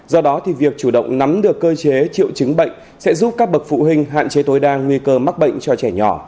do đó thì việc chủ động nắm được cơ chế triệu chứng bệnh sẽ giúp các bậc phụ huynh hạn chế tối đa nguy cơ mắc bệnh cho trẻ nhỏ